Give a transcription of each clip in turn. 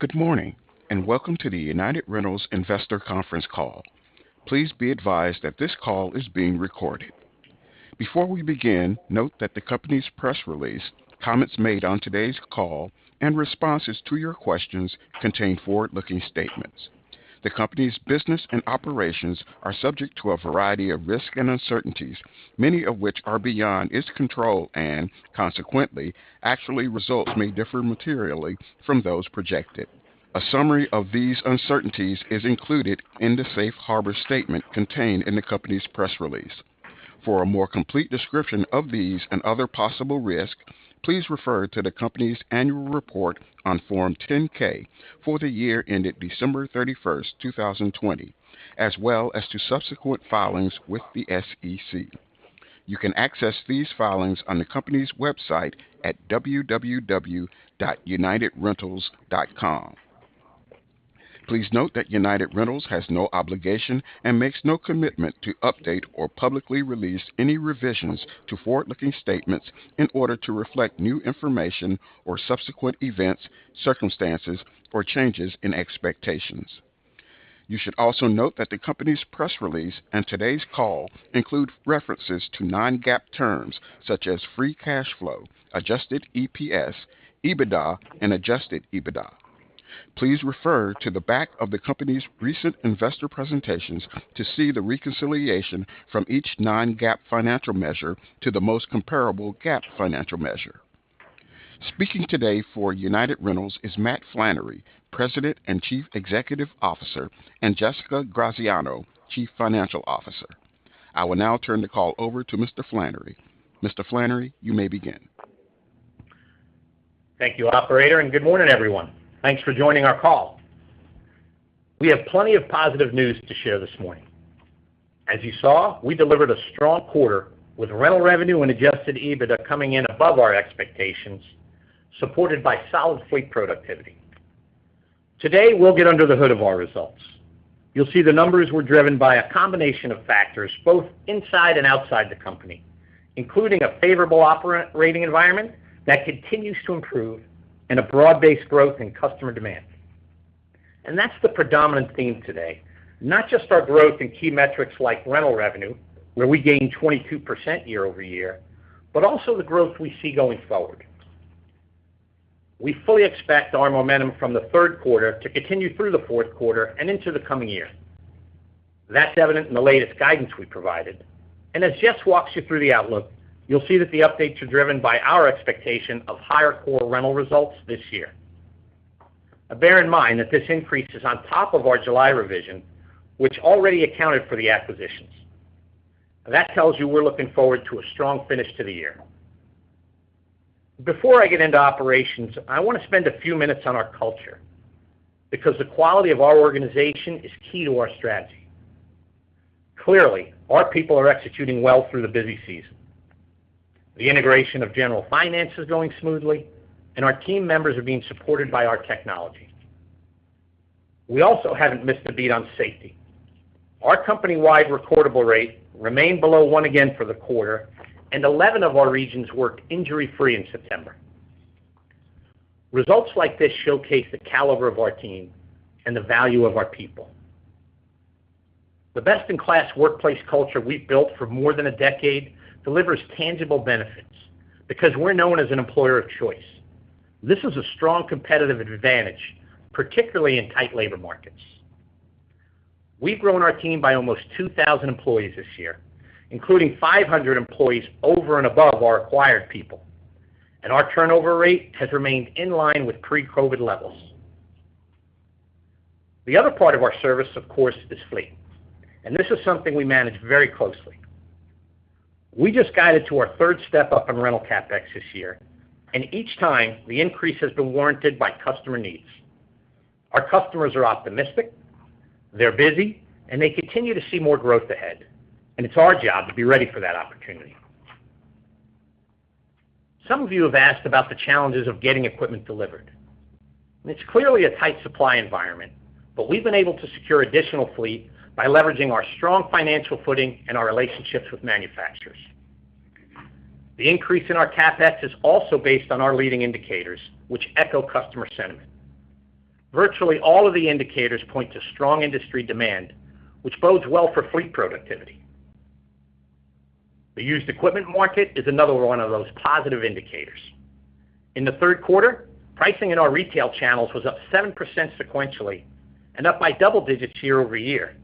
Good morning, and welcome to the United Rentals Investor Conference Call. Please be advised that this call is being recorded. Before we begin, note that the company's press release, comments made on today's call and responses to your questions contain forward-looking statements. The company's business and operations are subject to a variety of risks and uncertainties, many of which are beyond its control, and consequently, actual results may differ materially from those projected. A summary of these uncertainties is included in the safe harbor statement contained in the company's press release. For a more complete description of these and other possible risks, please refer to the company's annual report on Form 10-K for the year ended December 31st, 2020, as well as to subsequent filings with the SEC. You can access these filings on the company's website at www.unitedrentals.com. Please note that United Rentals has no obligation and makes no commitment to update or publicly release any revisions to forward-looking statements in order to reflect new information or subsequent events, circumstances, or changes in expectations. You should also note that the company's press release and today's call include references to non-GAAP terms such as free cash flow, adjusted EPS, EBITDA, and adjusted EBITDA. Please refer to the back of the company's recent investor presentations to see the reconciliation from each non-GAAP financial measure to the most comparable GAAP financial measure. Speaking today for United Rentals is Matt Flannery, President and Chief Executive Officer, and Jessica Graziano, Chief Financial Officer. I will now turn the call over to Mr. Flannery. Mr. Flannery, you may begin. Thank you, operator, and good morning, everyone. Thanks for joining our call. We have plenty of positive news to share this morning. As you saw, we delivered a strong quarter with rental revenue and adjusted EBITDA coming in above our expectations, supported by solid fleet productivity. Today, we'll get under the hood of our results. You'll see the numbers were driven by a combination of factors both inside and outside the company, including a favorable operating environment that continues to improve and a broad-based growth in customer demand. That's the predominant theme today, not just our growth in key metrics like rental revenue, where we gained 22% year-over-year, but also the growth we see going forward. We fully expect our momentum from the Q3 to continue through the Q4 and into the coming year. That's evident in the latest guidance we provided. As Jess walks you through the outlook, you'll see that the updates are driven by our expectation of higher core rental results this year. Bear in mind that this increase is on top of our July revision, which already accounted for the acquisitions. That tells you we're looking forward to a strong finish to the year. Before I get into operations, I want to spend a few minutes on our culture because the quality of our organization is key to our strategy. Clearly, our people are executing well through the busy season. The integration of General Finance is going smoothly, and our team members are being supported by our technology. We also haven't missed a beat on safety. Our company-wide recordable rate remained below one again for the quarter, and 11 of our regions worked injury-free in September. Results like this showcase the caliber of our team and the value of our people. The best-in-class workplace culture we've built for more than a decade delivers tangible benefits because we're known as an employer of choice. This is a strong competitive advantage, particularly in tight labor markets. We've grown our team by almost 2,000 employees this year, including 500 employees over and above our acquired people. Our turnover rate has remained in line with pre-COVID levels. The other part of our service, of course, is fleet, and this is something we manage very closely. We just guided to our third step up in rental CapEx this year, and each time, the increase has been warranted by customer needs. Our customers are optimistic, they're busy, and they continue to see more growth ahead, and it's our job to be ready for that opportunity. Some of you have asked about the challenges of getting equipment delivered. It's clearly a tight supply environment, but we've been able to secure additional fleet by leveraging our strong financial footing and our relationships with manufacturers. The increase in our CapEx is also based on our leading indicators, which echo customer sentiment. Virtually all of the indicators point to strong industry demand, which bodes well for fleet productivity. The used equipment market is another one of those positive indicators. In the Q3, pricing in our retail channels was up 7% sequentially and up by double digits year over year.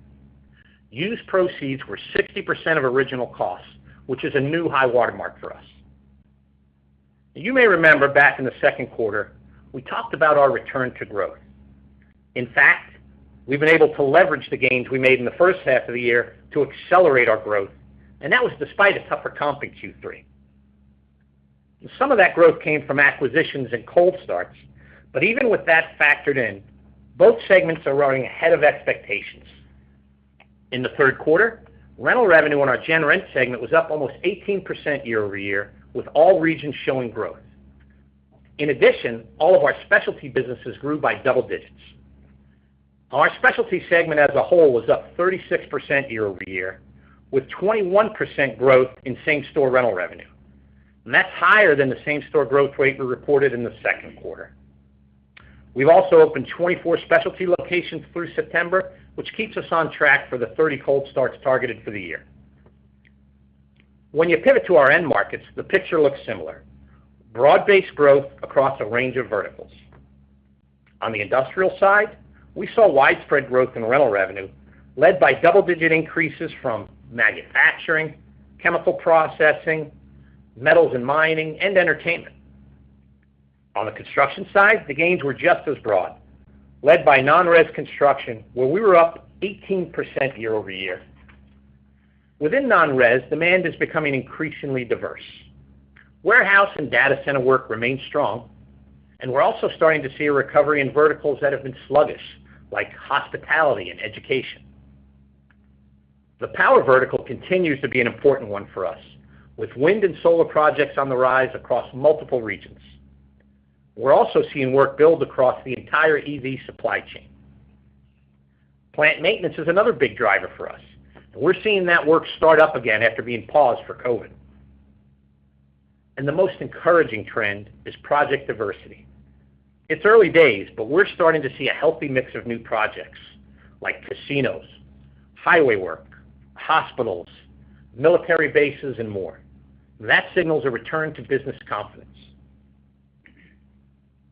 Used proceeds were 60% of original costs, which is a new high watermark for us. You may remember back in the Q2, we talked about our return to growth. In fact, we've been able to leverage the gains we made in the first half of the year to accelerate our growth, and that was despite a tougher comping Q3. Some of that growth came from acquisitions and cold starts, but even with that factored in, both segments are running ahead of expectations. In the Q3, rental revenue on our gen rent segment was up almost 18% year-over-year, with all regions showing growth. In addition, all of our specialty businesses grew by double digits. Our specialty segment as a whole was up 36% year-over-year, with 21% growth in same-store rental revenue. That's higher than the same-store growth rate we reported in the Q2. We've also opened 24 specialty locations through September, which keeps us on track for the 30 cold starts targeted for the year. When you pivot to our end markets, the picture looks similar. Broad-based growth across a range of verticals. On the industrial side, we saw widespread growth in rental revenue led by double-digit increases from manufacturing, chemical processing, metals and mining, and entertainment. On the construction side, the gains were just as broad, led by non-res construction, where we were up 18% year-over-year. Within non-res, demand is becoming increasingly diverse. Warehouse and data center work remains strong, and we're also starting to see a recovery in verticals that have been sluggish, like hospitality and education. The power vertical continues to be an important one for us, with wind and solar projects on the rise across multiple regions. We're also seeing work build across the entire EV supply chain. Plant maintenance is another big driver for us. We're seeing that work start up again after being paused for COVID. The most encouraging trend is project diversity. It's early days, but we're starting to see a healthy mix of new projects like casinos, highway work, hospitals, military bases, and more. That signals a return to business confidence.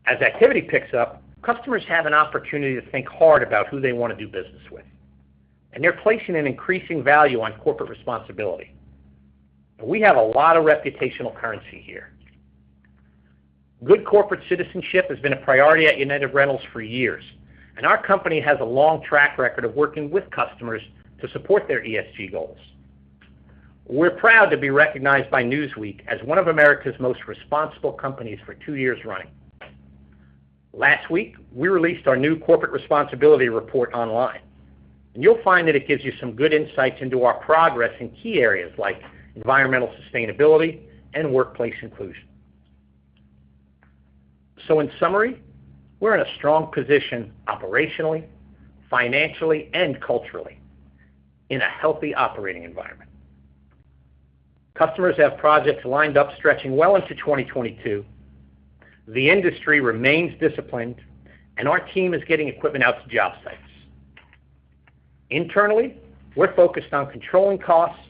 As activity picks up, customers have an opportunity to think hard about who they want to do business with, and they're placing an increasing value on corporate responsibility. We have a lot of reputational currency here. Good corporate citizenship has been a priority at United Rentals for years, and our company has a long track record of working with customers to support their ESG goals. We're proud to be recognized by Newsweek as one of America's Most Responsible Companies for two years running. Last week, we released our new corporate responsibility report online. You'll find that it gives you some good insights into our progress in key areas like environmental sustainability and workplace inclusion. In summary, we're in a strong position operationally, financially, and culturally in a healthy operating environment. Customers have projects lined up stretching well into 2022. The industry remains disciplined and our team is getting equipment out to job sites. Internally, we're focused on controlling costs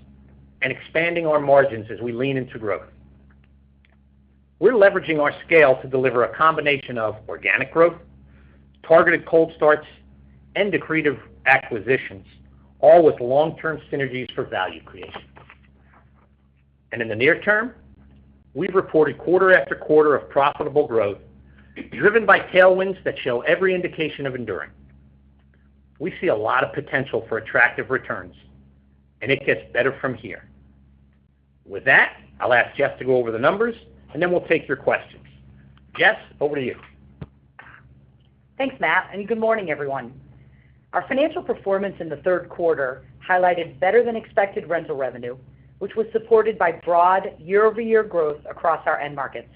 and expanding our margins as we lean into growth. We're leveraging our scale to deliver a combination of organic growth, targeted cold starts, and accretive acquisitions, all with long-term synergies for value creation. In the near term, we've reported quarter after quarter of profitable growth driven by tailwinds that show every indication of enduring. We see a lot of potential for attractive returns, and it gets better from here. With that, I'll ask Jess to go over the numbers, and then we'll take your questions. Jess, over to you. Thanks, Matt, and good morning, everyone. Our financial performance in the Q3 highlighted better-than-expected rental revenue, which was supported by broad year-over-year growth across our end markets.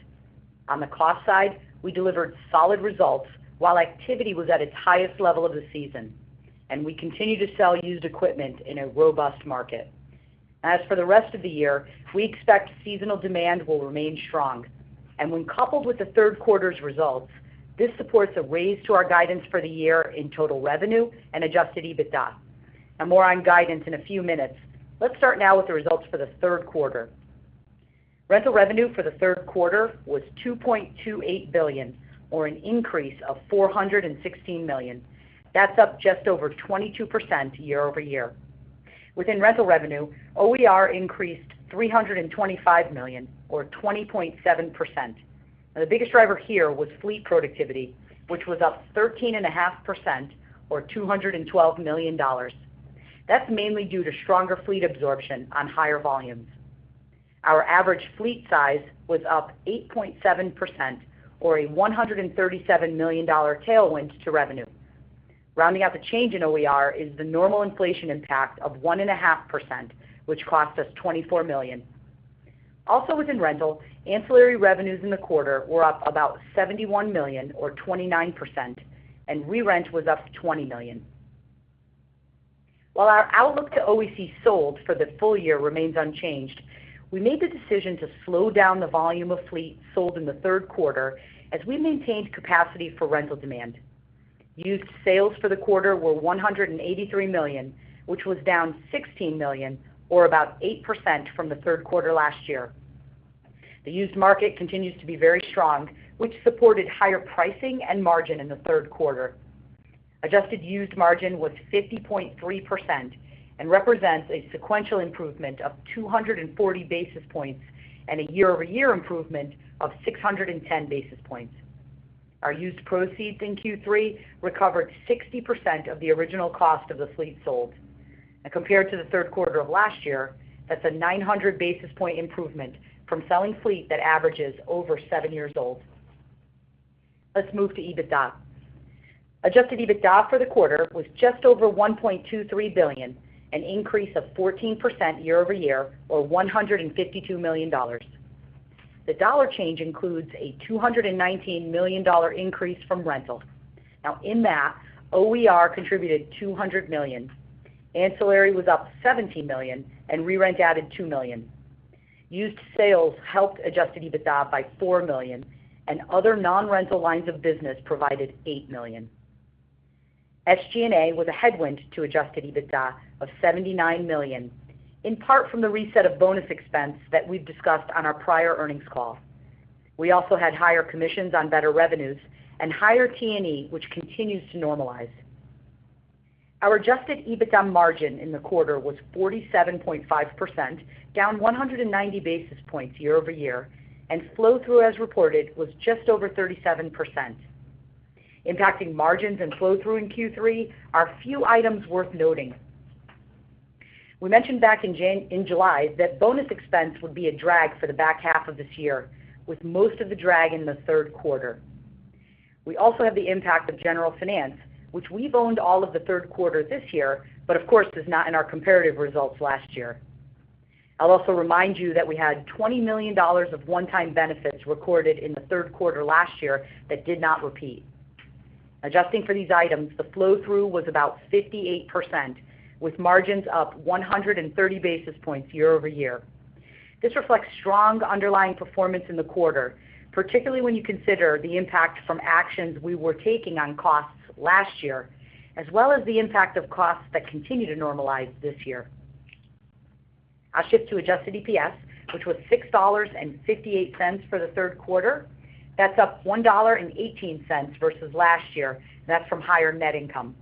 On the cost side, we delivered solid results while activity was at its highest level of the season, and we continue to sell used equipment in a robust market. As for the rest of the year, we expect seasonal demand will remain strong. When coupled with the Q3's results, this supports a raise to our guidance for the year in total revenue and adjusted EBITDA. More on guidance in a few minutes. Let's start now with the results for the Q3. Rental revenue for the Q3 was $2.28 billion or an increase of $416 million. That's up just over 22% year-over-year. Within rental revenue, OER increased $325 million or 20.7%. The biggest driver here was fleet productivity, which was up 13.5% or $212 million. That's mainly due to stronger fleet absorption on higher volumes. Our average fleet size was up 8.7% or a $137 million tailwind to revenue. Rounding out the change in OER is the normal inflation impact of 1.5%, which cost us $24 million. Also within rental, ancillary revenues in the quarter were up about $71 million or 29%, and re-rent was up $20 million. While our outlook to OEC sold for the full year remains unchanged, we made the decision to slow down the volume of fleet sold in the Q3 as we maintained capacity for rental demand. Used sales for the quarter were $183 million, which was down $16 million or about 8% from the Q3 last year. The used market continues to be very strong, which supported higher pricing and margin in the Q3. Adjusted used margin was 50.3% and represents a sequential improvement of 240 basis points and a year-over-year improvement of 610 basis points. Our used proceeds in Q3 recovered 60% of the original cost of the fleet sold. Compared to the Q3 of last year, that's a 900 basis point improvement from selling fleet that averages over seven years old. Let's move to EBITDA. Adjusted EBITDA for the quarter was just over $1.23 billion, an increase of 14% year over year or $152 million. The dollar change includes a $219 million increase from rental. Now in that, OER contributed $200 million. Ancillary was up $17 million and re-rent added $2 million. Used sales helped adjusted EBITDA by $4 million and other non-rental lines of business provided $8 million. SG&A was a headwind to adjusted EBITDA of $79 million, in part from the reset of bonus expense that we've discussed on our prior earnings call. We also had higher commissions on better revenues and higher T&E, which continues to normalize. Our adjusted EBITDA margin in the quarter was 47.5%, down 190 basis points year-over-year, and flow-through as reported was just over 37%. Impacting margins and flow-through in Q3 are a few items worth noting. We mentioned back in July that bonus expense would be a drag for the back half of this year, with most of the drag in the Q3. We also have the impact of General Finance, which we've owned all of the Q3 this year, but of course is not in our comparative results last year. I'll also remind you that we had $20 million of one-time benefits recorded in the Q3 last year that did not repeat. Adjusting for these items, the flow-through was about 58%, with margins up 130 basis points year-over-year. This reflects strong underlying performance in the quarter, particularly when you consider the impact from actions we were taking on costs last year, as well as the impact of costs that continue to normalize this year. I'll shift to adjusted EPS, which was $6.58 for the Q3. That's up $1.18 versus last year, and that's from higher net income.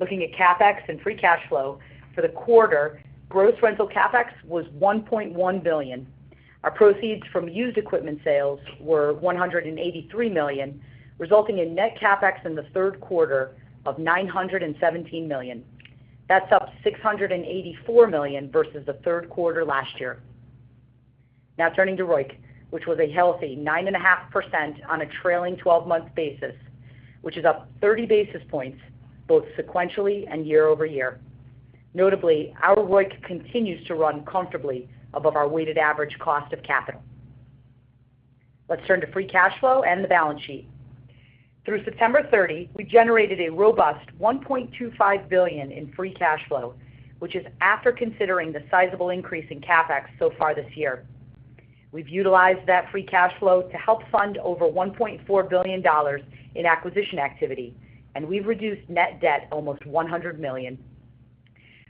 Looking at CapEx and free cash flow for the quarter, gross rental CapEx was $1.1 billion. Our proceeds from used equipment sales were $183 million, resulting in net CapEx in the Q3 of $917 million. That's up $684 million versus the Q3 last year. Now turning to ROIC, which was a healthy 9.5% on a trailing 12-month basis, which is up 30 basis points both sequentially and year-over-year. Notably, our ROIC continues to run comfortably above our weighted average cost of capital. Let's turn to free cash flow and the balance sheet. Through September 30th, we generated a robust $1.25 billion in free cash flow, which is after considering the sizable increase in CapEx so far this year. We've utilized that free cash flow to help fund over $1.4 billion in acquisition activity, and we've reduced net debt almost $100 million.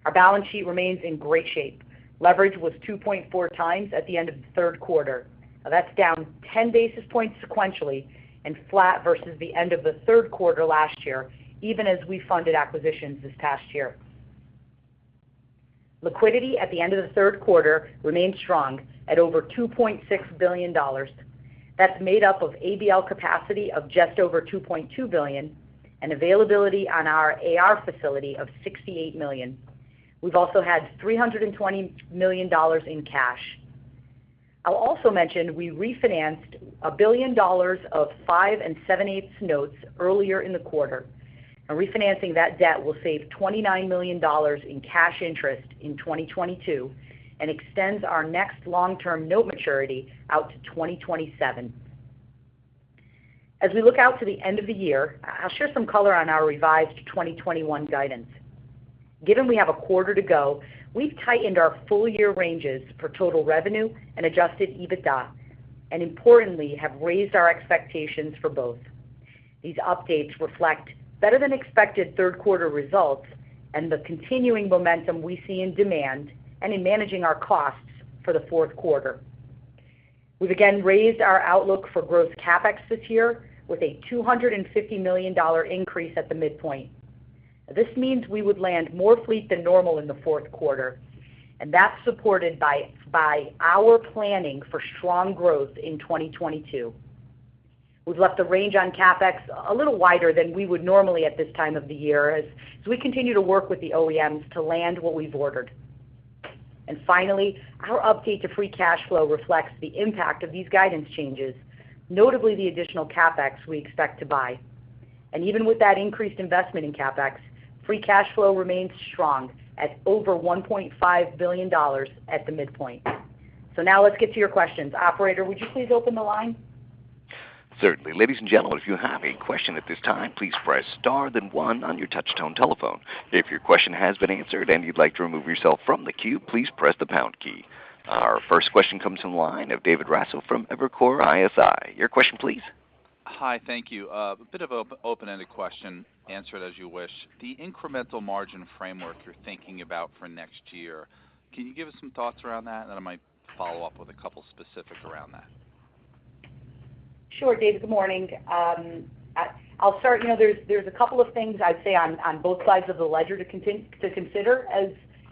Our balance sheet remains in great shape. Leverage was 2.4x at the end of the Q3. Now that's down 10 basis points sequentially and flat versus the end of the Q3 last year, even as we funded acquisitions this past year. Liquidity at the end of the Q3 remains strong at over $2.6 billion. That's made up of ABL capacity of just over $2.2 billion and availability on our AR facility of $68 million. We've also had $320 million in cash. I'll also mention we refinanced $1 billion of 5 7/8 notes earlier in the quarter. Now refinancing that debt will save $29 million in cash interest in 2022 and extends our next long-term note maturity out to 2027. As we look out to the end of the year, I'll share some color on our revised 2021 guidance. Given we have a quarter to go, we've tightened our full year ranges for total revenue and adjusted EBITDA, and importantly have raised our expectations for both. These updates reflect better than expected Q3 results and the continuing momentum we see in demand and in managing our costs for the Q4. We've again raised our outlook for gross CapEx this year with a $250 million increase at the midpoint. Now this means we would land more fleet than normal in the Q4, and that's supported by our planning for strong growth in 2022. We've left the range on CapEx a little wider than we would normally at this time of the year as we continue to work with the OEMs to land what we've ordered. Finally, our update to free cash flow reflects the impact of these guidance changes, notably the additional CapEx we expect to buy. Even with that increased investment in CapEx, free cash flow remains strong at over $1.5 billion at the midpoint. Now let's get to your questions. Operator, would you please open the line? Certainly. Ladies and gentlemen, if you have a question at this time, please press star then one on your touch-tone telephone. If your question has been answered and you'd like to remove yourself from the queue, please press the pound key. Our first question comes from the line of David Raso from Evercore ISI. Your question please. Hi. Thank you. A bit of an open-ended question, answer it as you wish. The incremental margin framework you're thinking about for next year, can you give us some thoughts around that? I might follow up with a couple specifics around that. Sure, David. Good morning. I'll start, you know, there's a couple of things I'd say on both sides of the ledger to consider as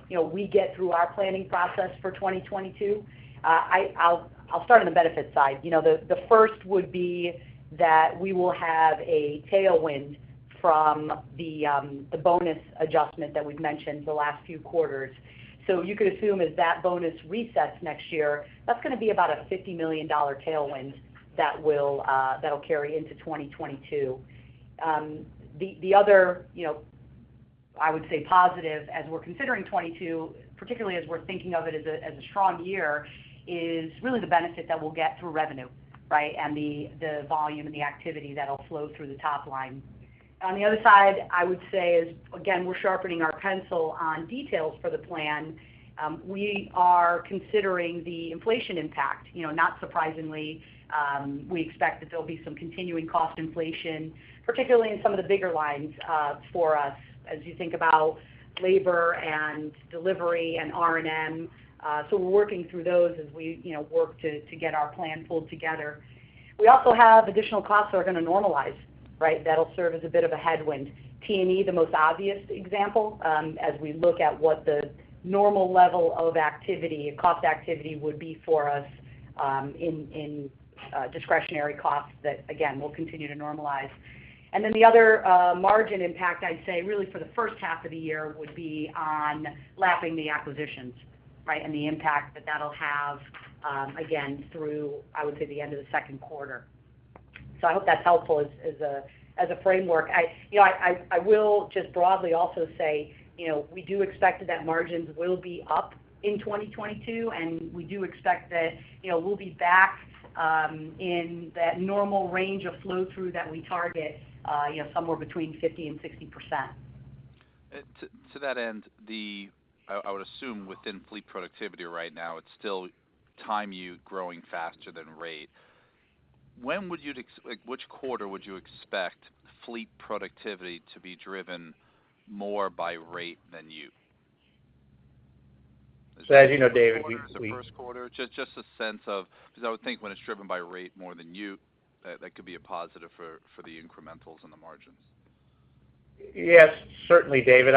you know, we get through our planning process for 2022. I'll start on the benefit side. You know, the first would be that we will have a tailwind from the bonus adjustment that we've mentioned the last few quarters. You could assume that as the bonus resets next year, that's gonna be about a $50 million tailwind that'll carry into 2022. The other positive as we're considering 2022, particularly as we're thinking of it as a strong year, is really the benefit that we'll get through revenue, right? The volume and the activity that'll flow through the top line. On the other side, I would say is again, we're sharpening our pencil on details for the plan. We are considering the inflation impact. You know, not surprisingly, we expect that there'll be some continuing cost inflation, particularly in some of the bigger lines, for us as you think about labor and delivery and R&M so we're working through those as we, you know, work to get our plan pulled together. We also have additional costs that are gonna normalize, right? That'll serve as a bit of a headwind. T&E, the most obvious example, as we look at what the normal level of activity, cost activity would be for us, in discretionary costs that, again, will continue to normalize. Then the other margin impact I'd say really for the H1 of the year would be on lapping the acquisitions, right? The impact that that'll have, again, through, I would say, the end of the Q2. I hope that's helpful as a framework. I will just broadly also say, you know, we do expect that margins will be up in 2022, and we do expect that, you know, we'll be back in that normal range of flow through that we target, you know, somewhere between 50%-60%. To that end, I would assume within fleet productivity right now it's still time utilization growing faster than rate. When would you like, which quarter would you expect fleet productivity to be driven more by rate than utilization? As you know, David. Is it the Q4? Is it the Q1? Just a sense of, because I would think when it's driven by rate more than you, that could be a positive for the incrementals and the margins. Yes. Certainly, David.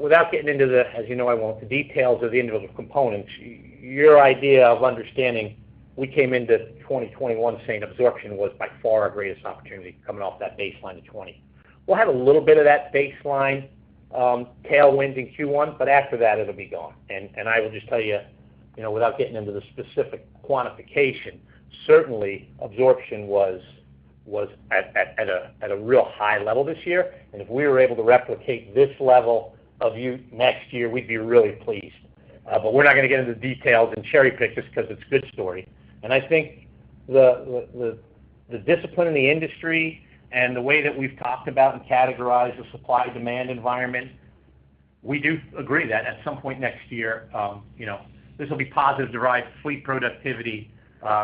Without getting into the, as you know I won't, the details of the individual components, your idea of understanding, we came into 2021 saying absorption was by far our greatest opportunity coming off that baseline of 2020. We'll have a little bit of that baseline tailwinds in Q1, but after that it'll be gone. I will just tell you know, without getting into the specific quantification, certainly absorption was at a real high level this year. If we were able to replicate this level of you next year, we'd be really pleased. We're not gonna get into the details and cherry-pick just because it's a good story. I think the discipline in the industry and the way that we've talked about and categorized the supply-demand environment, we do agree that at some point next year, you know, this will be positive derived fleet productivity,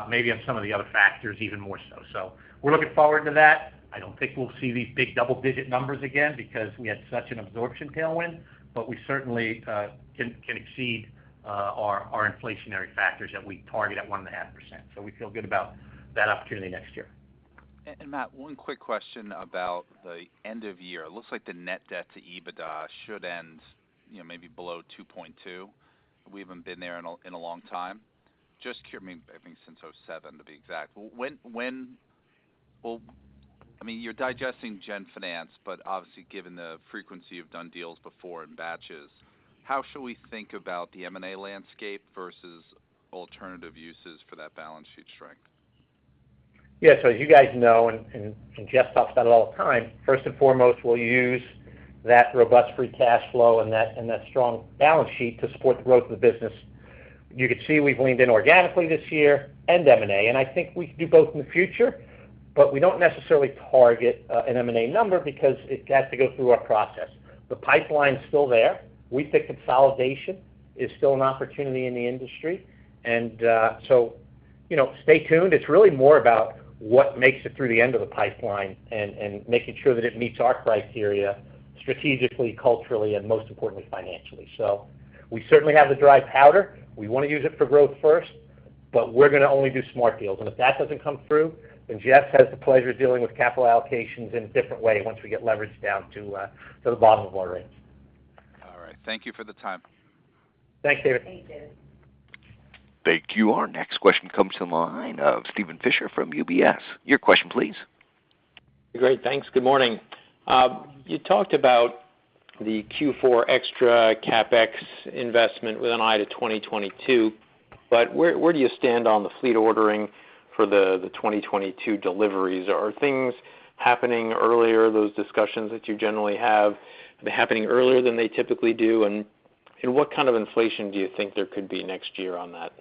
maybe on some of the other factors even more so. We're looking forward to that. I don't think we'll see these big double-digit numbers again because we had such an absorption tailwind, but we certainly can exceed our inflationary factors that we target at 1.5%. We feel good about that opportunity next year. Matt, one quick question about the end of year. It looks like the net debt to EBITDA should end, you know, maybe below 2.2. We haven't been there in a long time. Just curious, I think, since 2007 to be exact. When will, I mean, you're digesting General Finance, but obviously given the frequency you've done deals before in batches, how should we think about the M&A landscape versus alternative uses for that balance sheet strength? Yeah. As you guys know, and Jess talks about it all the time, first and foremost, we'll use that robust free cash flow and that strong balance sheet to support the growth of the business. You could see we've leaned in organically this year and M&A, and I think we could do both in the future, but we don't necessarily target an M&A number because it has to go through our process. The pipeline's still there. We think consolidation is still an opportunity in the industry. You know, stay tuned. It's really more about what makes it through the end of the pipeline and making sure that it meets our criteria strategically, culturally, and most importantly, financially. We certainly have the dry powder. We wanna use it for growth first, but we're gonna only do smart deals. If that doesn't come through, then Jess has the pleasure of dealing with capital allocations in a different way once we get leverage down to the bottom of our range. All right. Thank you for the time. Thanks, David. Thanks, David. Thank you. Our next question comes to the line of Steven Fisher from UBS. Your question please. Great. Thanks. Good morning. You talked about the Q4 extra CapEx investment with an eye to 2022, but where do you stand on the fleet ordering for the 2022 deliveries? Are things happening earlier, those discussions that you generally have been happening earlier than they typically do? What kind of inflation do you think there could be next year on that?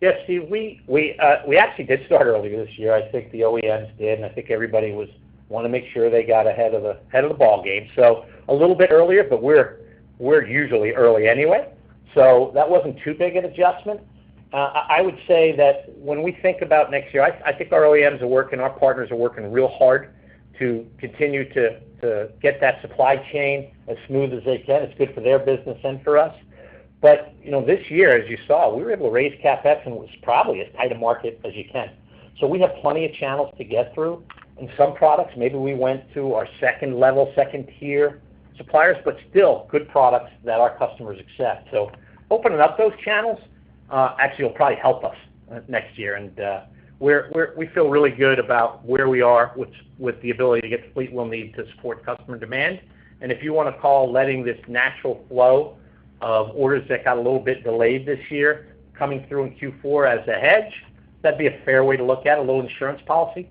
Yes, Steve. We actually did start earlier this year. I think the OEMs did, and I think everybody wanna make sure they got ahead of the ball game. A little bit earlier, but we're usually early anyway, so that wasn't too big an adjustment. I would say that when we think about next year, I think our OEMs are working, our partners are working real hard to continue to get that supply chain as smooth as they can. It's good for their business and for us. You know, this year, as you saw, we were able to raise CapEx and was probably as tight a market as you can so we have plenty of channels to get through. In some products, maybe we went to our second level, second-tier suppliers, but still good products that our customers accept. Opening up those channels, actually will probably help us next year. We feel really good about where we are with the ability to get the fleet we'll need to support customer demand. If you wanna call letting this natural flow of orders that got a little bit delayed this year coming through in Q4 as a hedge, that'd be a fair way to look at it, a little insurance policy.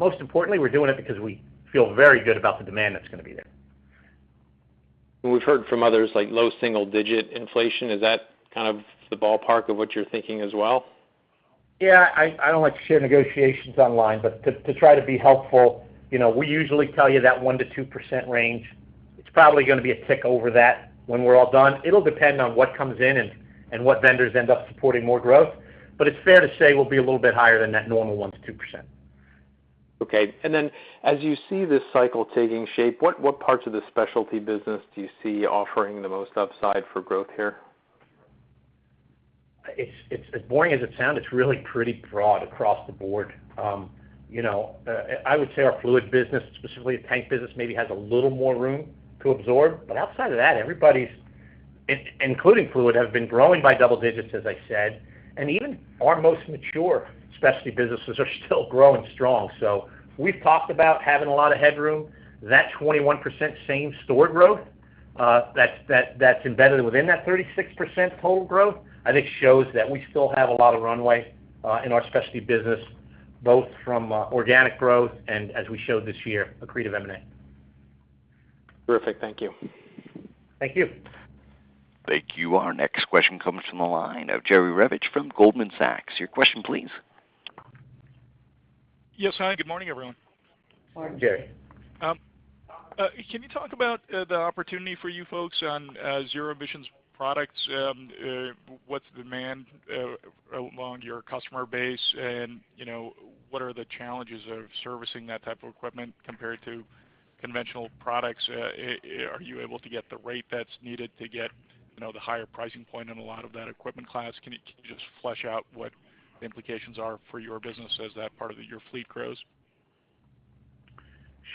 Most importantly, we're doing it because we feel very good about the demand that's gonna be there. We've heard from others, like low single-digit inflation. Is that kind of the ballpark of what you're thinking as well? I don't like to share negotiations online, but to try to be helpful, you know, we usually tell you that 1%-2% range. It's probably gonna be a tick over that when we're all done. It'll depend on what comes in and what vendors end up supporting more growth. It's fair to say we'll be a little bit higher than that normal 1%-2%. Okay. As you see this cycle taking shape, what parts of the specialty business do you see offering the most upside for growth here? It's as boring as it sounds, it's really pretty broad across the board. You know, I would say our fluid business, specifically the tank business maybe has a little more room to absorb, but outside of that, everybody's including fluid have been growing by double digits, as I said, and even our most mature specialty businesses are still growing strong. We've talked about having a lot of headroom. That 21% same-store growth that's embedded within that 36% total growth, I think shows that we still have a lot of runway in our specialty business, both from organic growth and as we showed this year, accretive M&A. Terrific. Thank you. Thank you. Thank you. Our next question comes from the line of Jerry Revich from Goldman Sachs. Your question, please. Yes. Hi, good morning, everyone. Morning, Jerry. Can you talk about the opportunity for you folks on zero emissions products? What's the demand among your customer base? You know, what are the challenges of servicing that type of equipment compared to conventional products? Are you able to get the rate that's needed to get, you know, the higher price point on a lot of that equipment class? Can you just flesh out what the implications are for your business as that part of your fleet grows?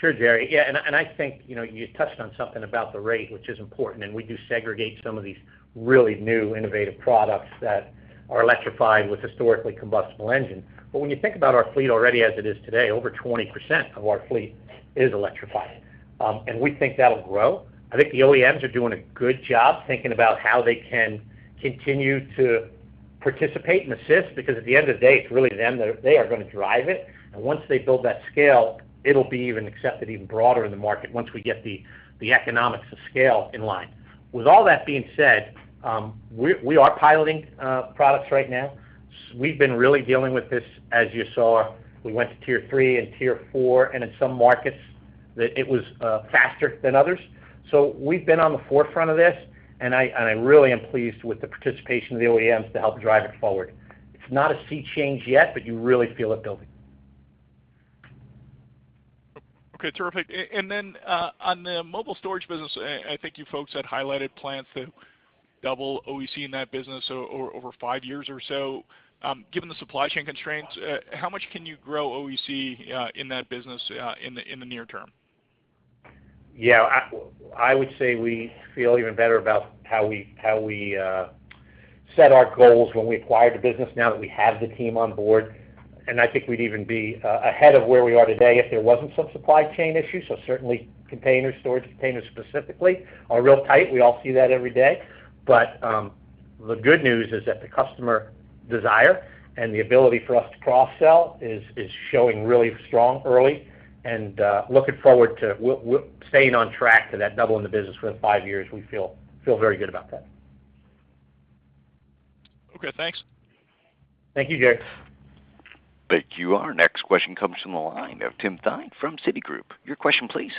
Sure, Jerry. Yeah, I think, you know, you touched on something about the rate, which is important, and we do segregate some of these really new innovative products that are electrified with historically combustible engines. When you think about our fleet already as it is today, over 20% of our fleet is electrified. We think that'll grow. I think the OEMs are doing a good job thinking about how they can continue to participate and assist because at the end of the day, it's really them that are gonna drive it. Once they build that scale, it'll be even more accepted even broader in the market once we get the economics of scale in line. With all that being said, we are piloting products right now. We've been really dealing with this, as you saw. We went to Tier 3 and Tier 4, and in some markets, it was faster than others. We've been on the forefront of this, and I really am pleased with the participation of the OEMs to help drive it forward. It's not a sea change yet, but you really feel it building. Okay, terrific. On the mobile storage business, I think you folks had highlighted plans to double OEC in that business over five years or so. Given the supply chain constraints, how much can you grow OEC in that business in the near term? Yeah. I would say we feel even better about how we set our goals when we acquired the business now that we have the team on board. I think we'd even be ahead of where we are today if there wasn't some supply chain issues. Certainly containers, storage containers specifically are real tight. We all see that every day. The good news is that the customer desire and the ability for us to cross-sell is showing really strong early, and looking forward to, we're staying on track to double the business within five years. We feel very good about that. Okay, thanks. Thank you, Jerry. Thank you. Our next question comes from the line of Tim Thein from Citigroup. Your question, please.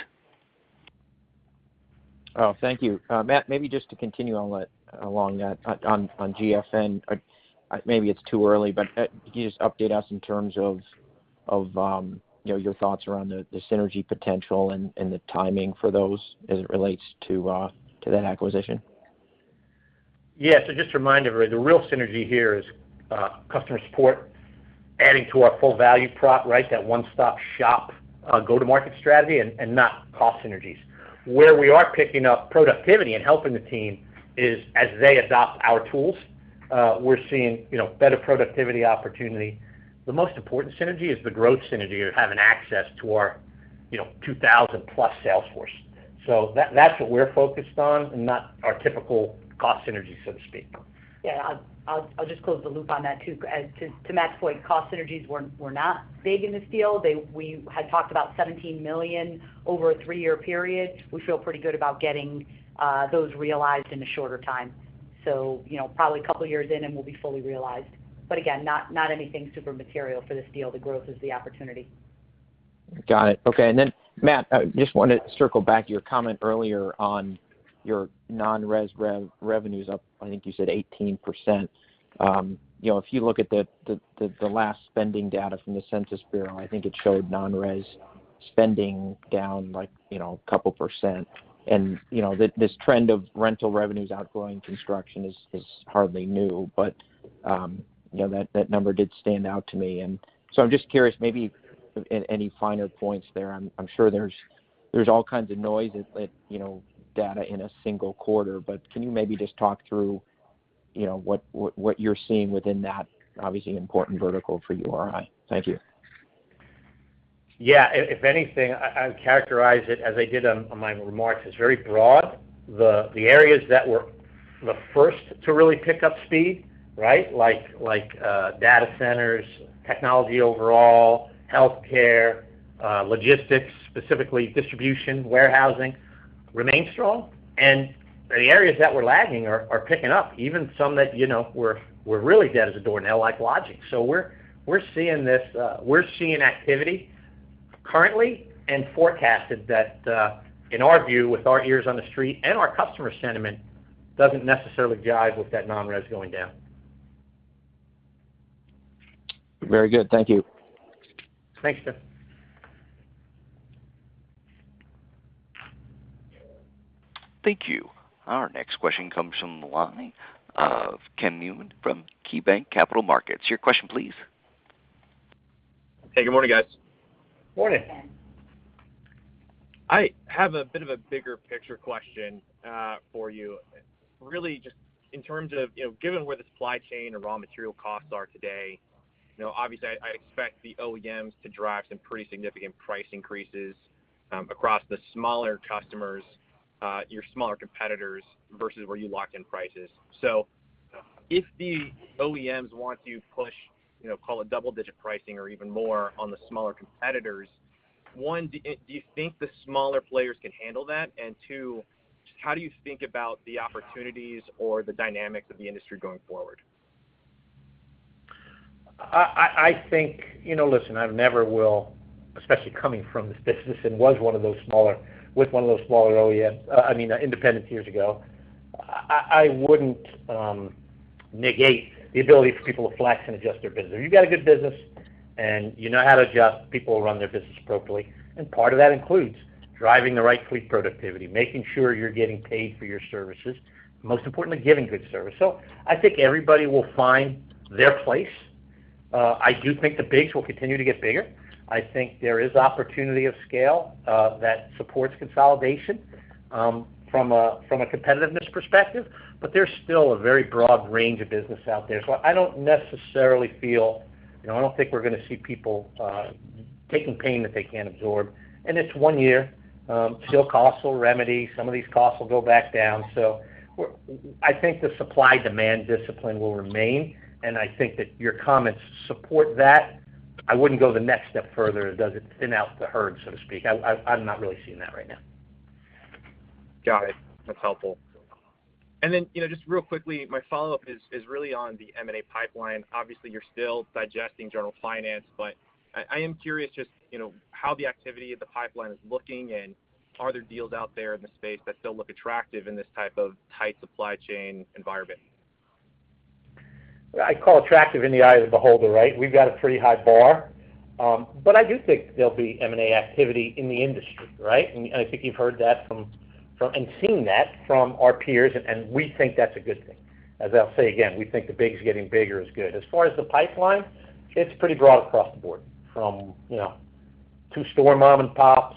Oh, thank you. Matt, maybe just to continue on that, on GFN, maybe it's too early, but can you just update us in terms of, you know, your thoughts around the synergy potential and the timing for those as it relates to that acquisition? Yeah. Just a reminder, the real synergy here is customer support adding to our full value prop, right? That one-stop shop go-to-market strategy and not cost synergies. Where we are picking up productivity and helping the team is as they adopt our tools, we're seeing, you know, better productivity opportunity. The most important synergy is the growth synergy of having access to our, you know, 2,000+ sales force. That's what we're focused on, and not our typical cost synergies, so to speak. Yeah. I'll just close the loop on that, too. To Matt's point, cost synergies were not big in this deal. We had talked about $17 million over a three-year period. We feel pretty good about getting those realized in a shorter time. You know, probably a couple years in, and we'll be fully realized. Again, not anything super material for this deal. The growth is the opportunity. Got it. Okay. Matt, I just wanted to circle back to your comment earlier on your non-res revenues up, I think you said 18%. You know, if you look at the last spending data from the Census Bureau, I think it showed non-res spending down like a couple percent. You know, this trend of rental revenues outgrowing construction is hardly new. You know, that number did stand out to me. I'm just curious, maybe any finer points there. I'm sure there's all kinds of noise at, you know, data in a single quarter, but can you maybe just talk through what you're seeing within that obviously important vertical for URI? Thank you. Yeah, if anything, I would characterize it as I did on my remarks, as very broad. The areas that were the first to really pick up speed, right, like data centers, technology overall, healthcare, logistics, specifically distribution, warehousing remain strong. The areas that were lagging are picking up, even some that, you know, were really dead as a doornail, like lodging. We're seeing activity currently and forecasted that, in our view, with our ears on the street and our customer sentiment doesn't necessarily jive with that non-res going down. Very good. Thank you. Thanks, Tim. Thank you. Our next question comes from the line of Ken Newman from KeyBanc Capital Markets. Your question please. Hey, good morning, guys. Morning. Good morning, Ken. I have a bit of a bigger picture question for you, really just in terms of, you know, given where the supply chain and raw material costs are today, you know, obviously I expect the OEMs to drive some pretty significant price increases across the smaller customers, your smaller competitors versus where you lock in prices. If the OEMs want to push, you know, call it double digit pricing or even more on the smaller competitors, one, do you think the smaller players can handle that? Two, how do you think about the opportunities or the dynamics of the industry going forward? I think, you know, listen, I never will, especially coming from this business, with one of those smaller OEMs, I mean, independents years ago, I wouldn't negate the ability for people to flex and adjust their business. If you've got a good business and you know how to adjust, people will run their business appropriately. Part of that includes driving the right fleet productivity, making sure you're getting paid for your services, most importantly, giving good service. I think everybody will find their place. I do think the bigs will continue to get bigger. I think there is opportunity of scale that supports consolidation from a competitiveness perspective, but there's still a very broad range of business out there. I don't necessarily feel, you know, I don't think we're going to see people taking pain that they can't absorb. It's one year, steel costs will remedy, some of these costs will go back down. I think the supply-demand discipline will remain, and I think that your comments support that. I wouldn't go the next step further. Does it thin out the herd, so to speak? I'm not really seeing that right now. Got it. That's helpful. You know, just real quickly, my follow-up is really on the M&A pipeline. Obviously, you're still digesting General Finance, but I am curious just, you know, how the activity of the pipeline is looking and are there deals out there in the space that still look attractive in this type of tight supply chain environment? I call attractive in the eye of the beholder, right? We've got a pretty high bar. I do think there'll be M&A activity in the industry, right? I think you've heard that and seen that from our peers, and we think that's a good thing. As I'll say again, we think the big is getting bigger is good. As far as the pipeline, it's pretty broad across the board from, you know, two-store mom and pops,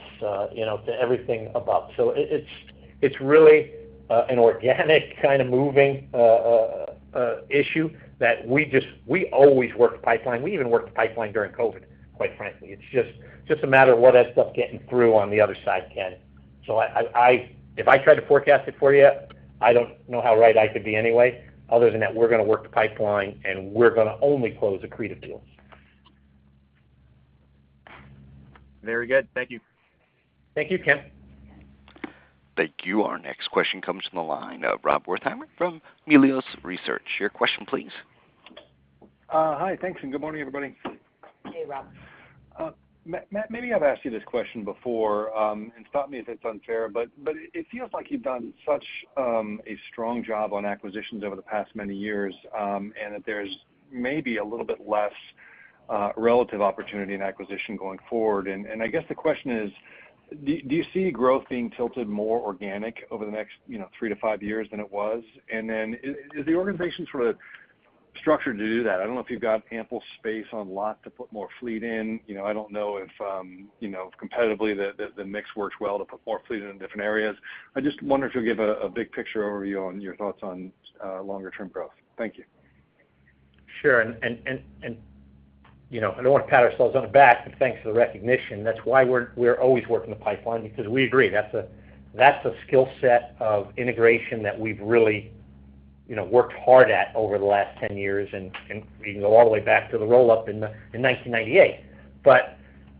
you know, to everything above. It's really an organic kind of moving issue that we always work the pipeline. We even worked the pipeline during COVID, quite frankly. It's just a matter of what that stuff getting through on the other side, Ken. If I tried to forecast it for you, I don't know how right I could be anyway. Other than that, we're going to work the pipeline, and we're going to only close accretive deals. Very good. Thank you. Thank you, Ken. Thank you. Our next question comes from the line of Rob Wertheimer from Melius Research. Your question please. Hi. Thanks, and good morning, everybody. Hey, Rob. Matt, maybe I've asked you this question before, and stop me if it's unfair, but it feels like you've done such a strong job on acquisitions over the past many years, and that there's maybe a little bit less relative opportunity in acquisition going forward. I guess the question is, do you see growth being tilted more organic over the next, you know, three to five years than it was? Is the organization sort of structured to do that? I don't know if you've got ample space on lot to put more fleet in. You know, I don't know if you know, competitively the mix works well to put more fleet in different areas. I just wonder if you'll give a big picture overview on your thoughts on longer-term growth. Thank you. Sure. I don't want to pat ourselves on the back, but thanks for the recognition. That's why we're always working the pipeline because we agree that's a skill set of integration that we've really, you know, worked hard at over the last 10 years, and we can go all the way back to the roll-up in 1998.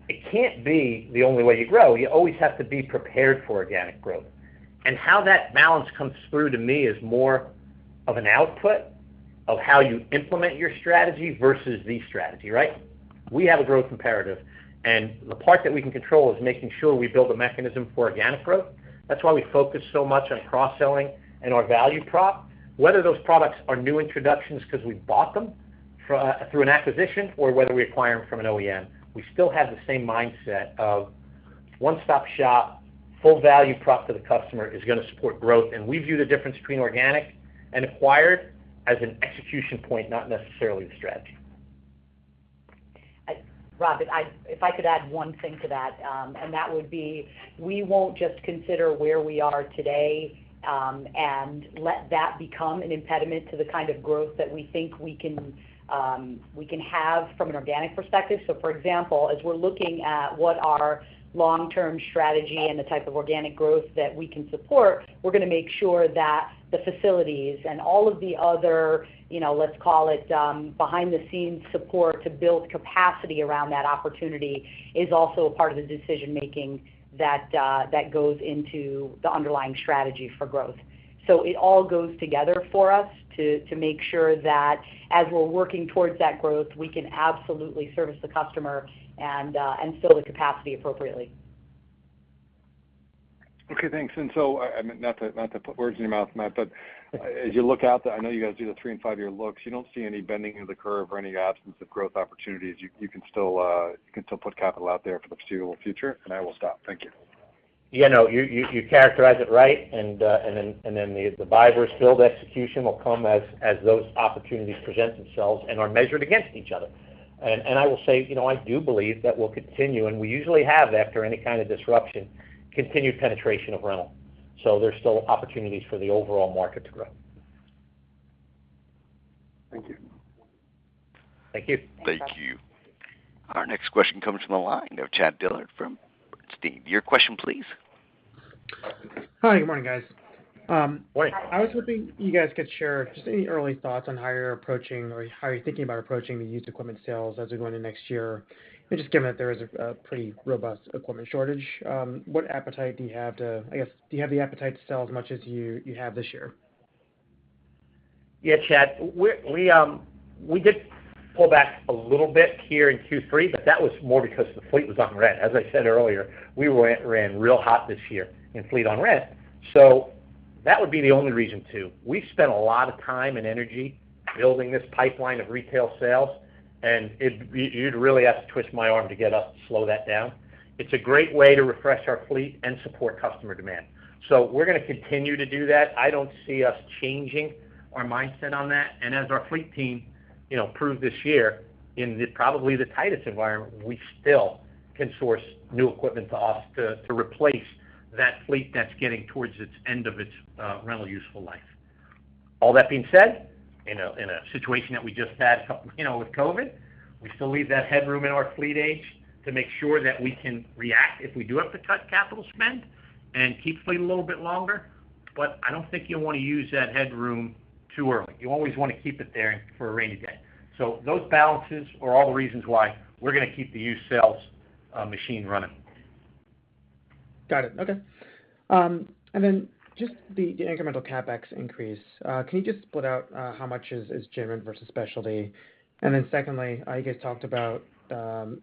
It can't be the only way you grow. You always have to be prepared for organic growth. How that balance comes through to me is more of an output of how you implement your strategy versus the strategy, right? We have a growth imperative, and the part that we can control is making sure we build a mechanism for organic growth. That's why we focus so much on cross-selling and our value prop. Whether those products are new introductions because we bought them through an acquisition or whether we acquire them from an OEM, we still have the same mindset of one-stop shop, full value prop to the customer is going to support growth. We view the difference between organic and acquired as an execution point, not necessarily the strategy. Rob, if I could add one thing to that, and that would be, we won't just consider where we are today and let that become an impediment to the kind of growth that we think we can we can have from an organic perspective. For example, as we're looking at what our long-term strategy and the type of organic growth that we can support, we're gonna make sure that the facilities and all of the other, you know, let's call it, behind the scenes support to build capacity around that opportunity is also a part of the decision-making that goes into the underlying strategy for growth. It all goes together for us to make sure that as we're working towards that growth, we can absolutely service the customer and fill the capacity appropriately. Okay, thanks. Not to put words in your mouth, Matt, but as you look out, I know you guys do the three- and five-year looks. You don't see any bending of the curve or any absence of growth opportunities. You can still put capital out there for the foreseeable future? I will stop. Thank you. Yeah, no. You characterize it right. Then the buy-versus-build execution will come as those opportunities present themselves and are measured against each other. I will say, you know, I do believe that we'll continue, and we usually have after any kind of disruption, continued penetration of rental so there's still opportunities for the overall market to grow. Thank you. Thank you. Thank you. Our next question comes from the line of Chad Dillard from Bernstein. Your question please. Hi, good morning, guys. Morning. I was hoping you guys could share just any early thoughts on how you're approaching or how you're thinking about approaching the used equipment sales as we go into next year. Just given that there is a pretty robust equipment shortage, what appetite do you have? I guess, do you have the appetite to sell as much as you have this year? Yeah, Chad. We did pull back a little bit here in Q3, but that was more because the fleet was on rent. As I said earlier, we ran real hot this year in fleet on rent. That would be the only reason to. We've spent a lot of time and energy building this pipeline of retail sales, and you'd really have to twist my arm to get us to slow that down. It's a great way to refresh our fleet and support customer demand. We're gonna continue to do that. I don't see us changing our mindset on that. As our fleet team, you know, proved this year in probably the tightest environment, we still can source new equipment to us to replace that fleet that's getting towards its end of its rental useful life. All that being said, in a situation that we just had, you know, with COVID, we still leave that headroom in our fleet age to make sure that we can react if we do have to cut capital spend and keep fleet a little bit longer. I don't think you'll wanna use that headroom too early. You always wanna keep it there for a rainy day. Those balances are all the reasons why we're gonna keep the used sales machine running. Got it. Okay. Just the incremental CapEx increase. Can you just split out how much is general versus specialty? Secondly, I guess you talked about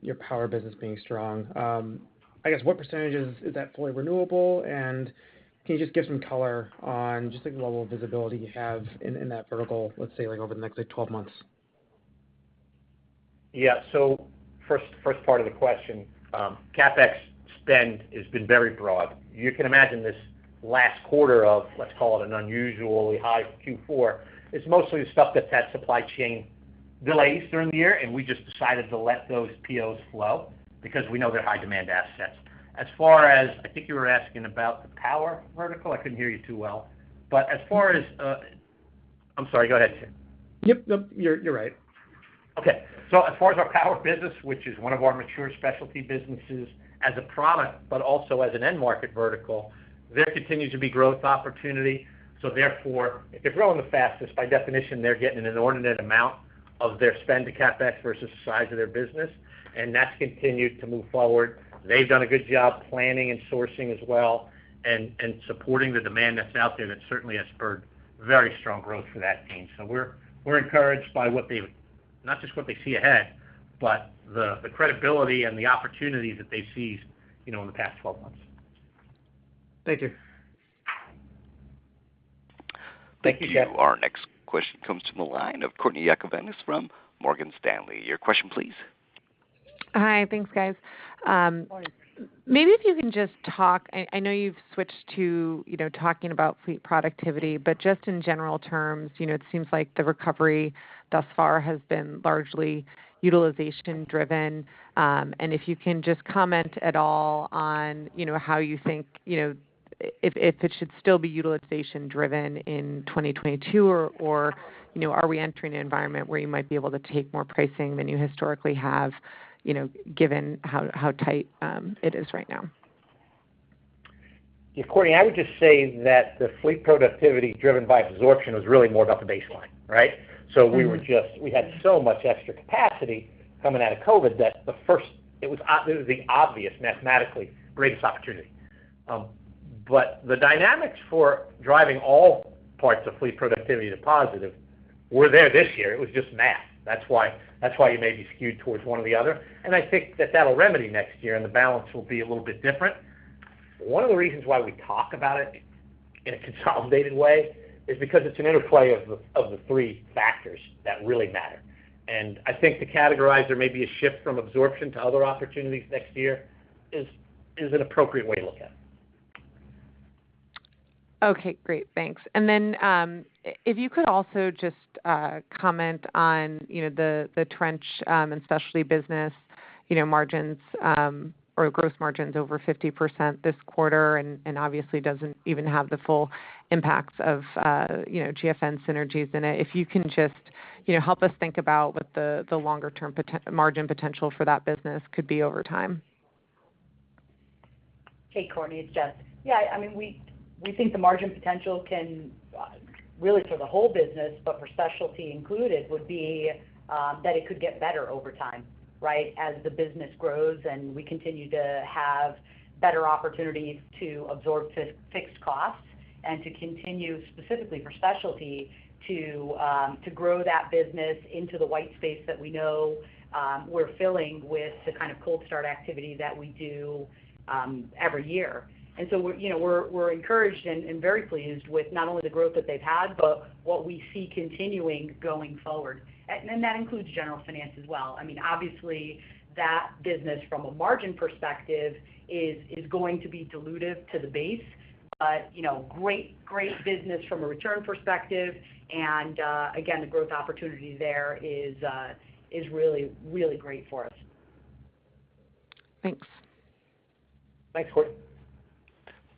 your power business being strong. I guess what percentage is that fully renewable? Can you just give some color on just the level of visibility you have in that vertical, let's say, like over the next, like 12 months? First part of the question. CapEx spend has been very broad. You can imagine this last quarter of, let's call it an unusually high Q4. It's mostly the stuff that's had supply chain delays during the year, and we just decided to let those POs flow because we know they're high demand assets. As far as, I think you were asking about the power vertical. I couldn't hear you too well. As far as, I'm sorry. Go ahead, Chad. Yep. No, you're right. Okay. As far as our power business, which is one of our mature specialty businesses as a product but also as an end market vertical, there continues to be growth opportunity. Therefore, if they're growing the fastest, by definition they're getting an inordinate amount of their spend to CapEx versus the size of their business, and that's continued to move forward. They've done a good job planning and sourcing as well and supporting the demand that's out there that certainly has spurred very strong growth for that team. We're encouraged by what they, not just what they see ahead, but the credibility and the opportunities that they've seized, you know, in the past 12 months. Thank you. Thank you, Chad. Thank you. Our next question comes from the line of Courtney Yakavonis from Morgan Stanley. Your question please. Hi. Thanks, guys. Morning. Maybe if you can just talk, I know you've switched to, you know, talking about fleet productivity, but just in general terms, you know, it seems like the recovery thus far has been largely utilization driven. If you can just comment at all on, you know, how you think, you know, if it should still be utilization driven in 2022 or, you know, are we entering an environment where you might be able to take more pricing than you historically have, you know, given how tight it is right now? Yeah, Courtney, I would just say that the fleet productivity driven by absorption was really more about the baseline, right? We were just. Mm-hmm. We had so much extra capacity coming out of COVID that it was the obvious, mathematically greatest opportunity. The dynamics for driving all parts of fleet productivity to positive were there this year. It was just math. That's why you may be skewed towards one or the other. I think that that'll remedy next year, and the balance will be a little bit different. One of the reasons why we talk about it in a consolidated way is because it's an interplay of the three factors that really matter. I think to categorize there may be a shift from absorption to other opportunities next year is an appropriate way to look at it. Okay, great. Thanks. If you could also just comment on, you know, the trench and specialty business. You know, margins or gross margins over 50% this quarter and obviously doesn't even have the full impacts of, you know, GFN synergies in it. If you can just, you know, help us think about what the longer term margin potential for that business could be over time. Hey, Courtney, it's Jess. Yeah, I mean, we think the margin potential can really for the whole business, but for specialty included, would be that it could get better over time, right? As the business grows and we continue to have better opportunities to absorb fixed costs and to continue specifically for specialty to grow that business into the white space that we know we're filling with the kind of cold start activity that we do every year. You know, we're encouraged and very pleased with not only the growth that they've had, but what we see continuing going forward. That includes General Finance as well. I mean, obviously that business from a margin perspective is going to be dilutive to the base. You know, great business from a return perspective and, again, the growth opportunity there is really great for us. Thanks. Thanks, Courtney.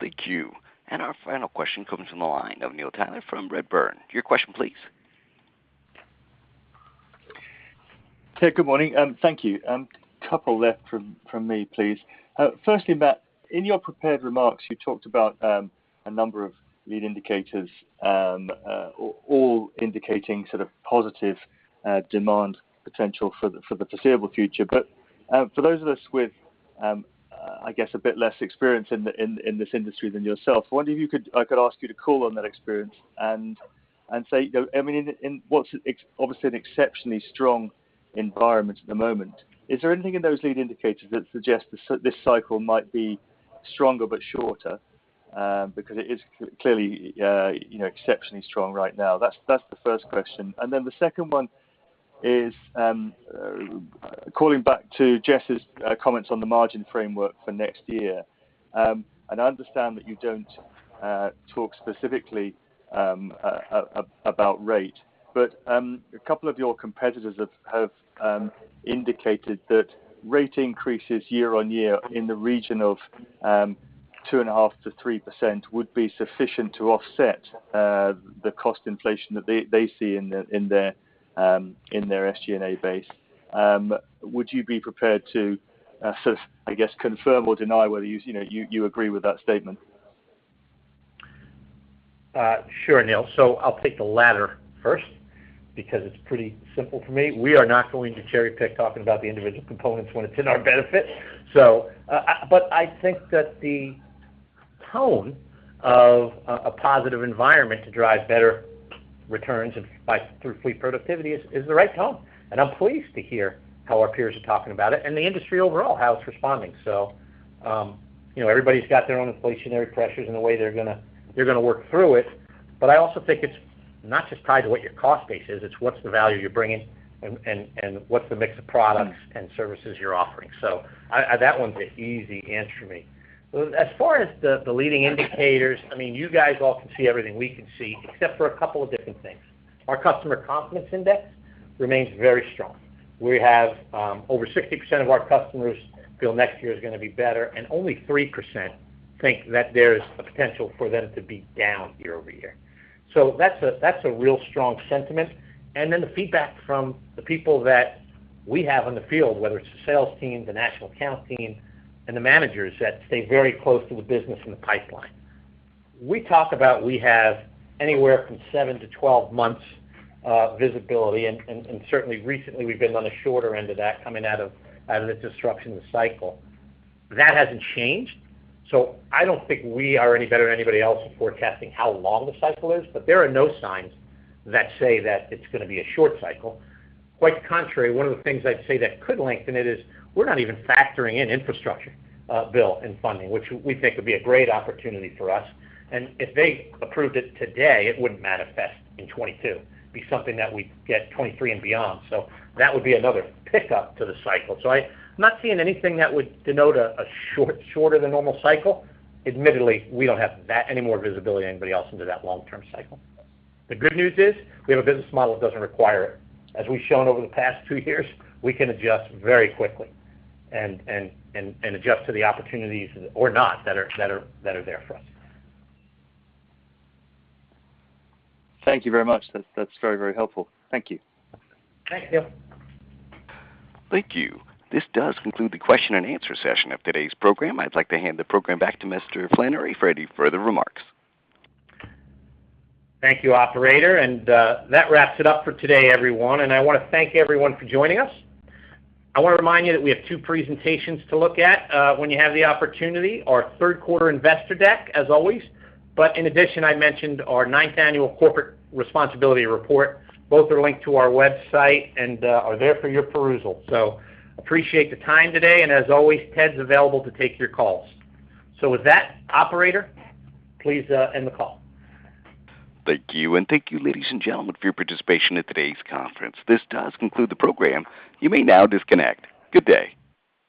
Thank you. Our final question comes from the line of Neil Tyler from Redburn. Your question, please. Hey, good morning, thank you. Couple left from me, please. Firstly Matt, in your prepared remarks, you talked about a number of lead indicators all indicating sort of positive demand potential for the foreseeable future. For those of us with I guess a bit less experience in this industry than yourself, I wonder if I could ask you to call on that experience and say, you know, I mean, in what's obviously an exceptionally strong environment at the moment, is there anything in those lead indicators that suggest this cycle might be stronger but shorter because it is clearly, you know, exceptionally strong right now? That's the first question. The second one is calling back to Jess's comments on the margin framework for next year. I understand that you don't talk specifically about rate, but a couple of your competitors have indicated that rate increases year-over-year in the region of 2.5%-3% would be sufficient to offset the cost inflation that they see in their SG&A base. Would you be prepared to sort of, I guess, confirm or deny whether you know you agree with that statement? Sure, Neil. I'll take the latter first because it's pretty simple for me. We are not going to cherry-pick talking about the individual components when it's in our benefit but I think that the tone of a positive environment to drive better returns and through fleet productivity is the right tone. I'm pleased to hear how our peers are talking about it and the industry overall, how it's responding. You know, everybody's got their own inflationary pressures and the way they're gonna work through it but I also think it's not just tied to what your cost base is, it's what's the value you're bringing and what's the mix of products and services you're offering. That one's an easy answer for me. As far as the leading indicators, I mean, you guys all can see everything we can see except for a couple of different things. Our customer confidence index remains very strong. We have over 60% of our customers feel next year is gonna be better, and only 3% think that there is a potential for them to be down year-over-year so that's a real strong sentiment. The feedback from the people that we have in the field, whether it's the sales team, the national account team, and the managers that stay very close to the business and the pipeline. We talk about, we have anywhere from 7-12 months visibility, and certainly recently we've been on the shorter end of that coming out of the disruption of the cycle. That hasn't changed. I don't think we are any better than anybody else at forecasting how long the cycle is, but there are no signs that say that it's gonna be a short cycle. Quite the contrary, one of the things I'd say that could lengthen it is we're not even factoring in infrastructure bill and funding, which we think would be a great opportunity for us. If they approved it today, it wouldn't manifest in 2022. It'd be something that we'd get 2023 and beyond. That would be another pickup to the cycle. I'm not seeing anything that would denote a shorter than normal cycle. Admittedly, we don't have that any more visibility than anybody else into that long-term cycle. The good news is we have a business model that doesn't require it. As we've shown over the past two years, we can adjust very quickly and adjust to the opportunities or not that are there for us. Thank you very much. That's very helpful. Thank you. Thank you. Thank you. This does conclude the question and answer session of today's program. I'd like to hand the program back to Mr. Flannery for any further remarks. Thank you, operator. That wraps it up for today, everyone, and I want to thank everyone for joining us. I want to remind you that we have two presentations to look at, when you have the opportunity, our Q3 investor deck, as always. In addition, I mentioned our 9th Annual Corporate Responsibility Report. Both are linked to our website and are there for your perusal. I appreciate the time today, and as always, Ted's available to take your calls. With that, operator, please, end the call. Thank you. Thank you, ladies and gentlemen, for your participation in today's conference. This does conclude the program. You may now disconnect. Good day.